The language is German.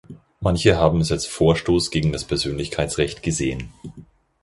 Manche haben es als Verstoß gegen das Persönlichkeitsrecht gesehen.